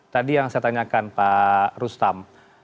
tadi yang saya tanyakan pak rustam